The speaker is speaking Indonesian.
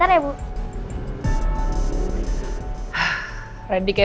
aku masih kandangkan